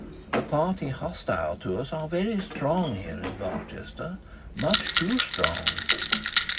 The party hostile to us are very strong here in Barchester much too strong.'